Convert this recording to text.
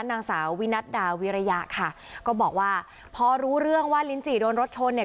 นางสาววินัดดาวิระยะค่ะก็บอกว่าพอรู้เรื่องว่าลิ้นจี่โดนรถชนเนี่ย